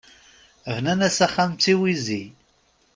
Bnan-as axxam d tiwizi.